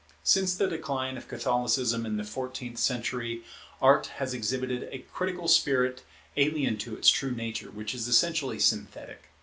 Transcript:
Since the decline of Catholicism in the fourteenth century, Art has exhibited a critical spirit alien to its true nature, which is essentially synthetic.